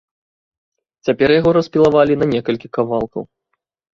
Цяпер яго распілавалі на некалькі кавалкаў.